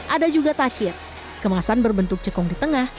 ada juga takir kemasan berbentuk cekong di tengah